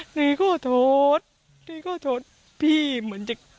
หน่วยขอโทษหน่วยขอโทษพี่เหมือนจะ